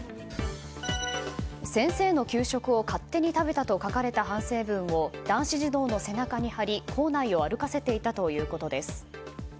先生の給食を勝手に食べたと書かれた反省文を男子児童の背中に貼り、校内を歩かせていたということです。